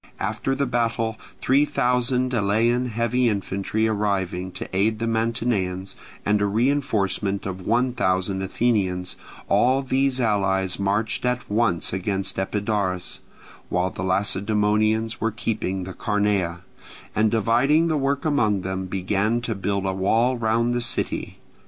After the battle three thousand Elean heavy infantry arriving to aid the Mantineans, and a reinforcement of one thousand Athenians, all these allies marched at once against Epidaurus, while the Lacedaemonians were keeping the Carnea, and dividing the work among them began to build a wall round the city.